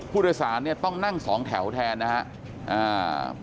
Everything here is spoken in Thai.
ผู้โดยสารต้องนั่ง๒แถวแทนนะครับ